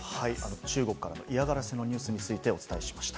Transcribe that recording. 中国からの嫌がらせのニュースについてお伝えしました。